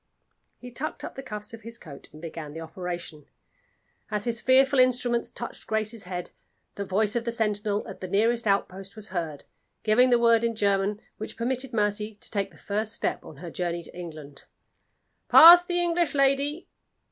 He tucked up the cuffs of his coat and began the operation. As his fearful instruments touched Grace's head, the voice of the sentinel at the nearest outpost was heard, giving the word in German which permitted Mercy to take the first step on her journey to England: "Pass the English lady!"